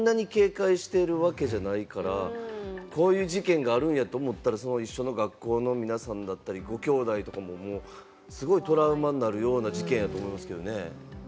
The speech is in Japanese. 数学の朝の時間って、そんなに警戒してるわけじゃないからこういう事件があるんやと思ったら、学校の皆さんだったり、きょうだいとかもすごいトラウマになるような事件やと思うんですけどね。